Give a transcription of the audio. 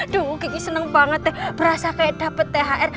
duh kiki seneng banget deh berasa kayak dapet thr